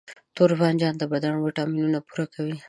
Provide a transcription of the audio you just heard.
توربانجان د بدن ویټامینونه پوره کوي.